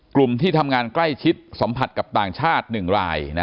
กลุ่มที่ทำงานใกล้ชิดสัมผัสกับต่างชาติ๑ราย